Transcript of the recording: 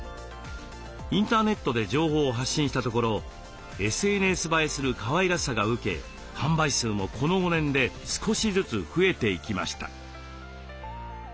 インターネットで情報を発信したところＳＮＳ映えするかわいらしさが受け販売数もこの５年で少しずつ増えていきました。